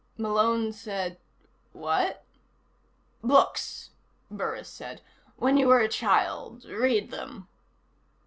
Malone said: "What?" "Books," Burris said. "When you were a child. Read them."